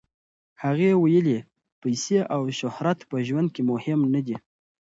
هغې ویلي، پیسې او شهرت په ژوند کې مهم نه دي.